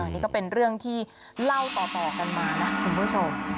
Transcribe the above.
นี่ก็เป็นเรื่องที่เล่าต่อกันมานะคุณผู้ชม